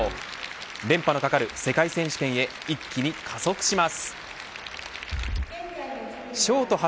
連覇のかかる世界選手権へ一気に加速します。